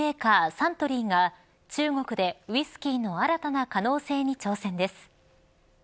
サントリーが中国でウイスキーの新たな可能性に挑戦です。